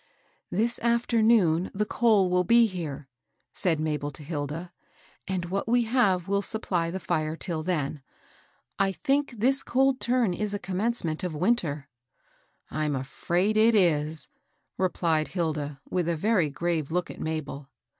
^* This afternoon the coal will be here," said Ma bel to Hilda, "and what we have will supply the fire till then. I t}nsk this cold turn is a commence ment of winter." I'm afi aid it is," replied Hilda, with a very grave look at Mabel.